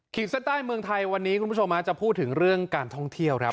เส้นใต้เมืองไทยวันนี้คุณผู้ชมจะพูดถึงเรื่องการท่องเที่ยวครับ